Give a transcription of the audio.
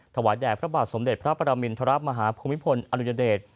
ถวายแดกพระบาทสมเด็จพระประลามินทรรภ์มหาภูมิพลอนุญาเดช